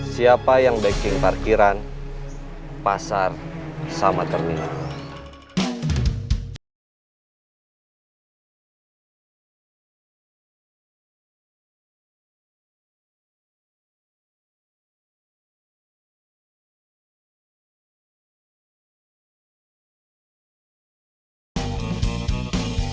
siapa yang backing parkiran pasar sama terminal